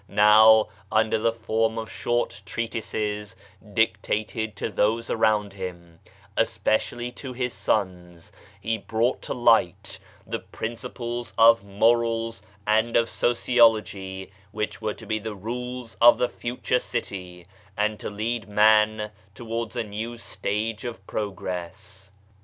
Now, under the form of short treatises dictated to those around him, especially to his sons, he brought to light the principles of morals and of sociology which were to be the rules of the future city, and to lead man towards a new stage of progress.